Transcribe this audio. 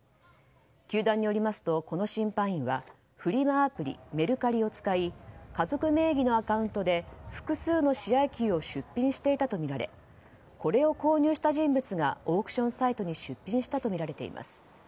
球団によりますと、この審判員はフリマアプリ、メルカリを使い家族名義のアカウントで複数の試合球を出品していたとみられこれを購入した人物がオークションサイトに出品したとみられています。